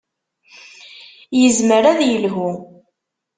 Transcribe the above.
Yezmer ad yelhu.